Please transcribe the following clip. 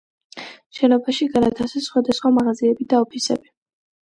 შენობაში განათავსეს სხვადასხვა მაღაზიები და ოფისები.